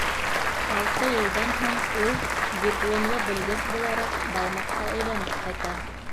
Алты йылдан һуң ул, дипломлы белгес булараҡ, Баймаҡҡа әйләнеп ҡайта.